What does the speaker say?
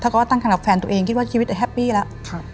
ถ้าก็ตั้งครรภ์กับแฟนตัวเองคิดว่าชีวิตแฮปปี้แล้วครับ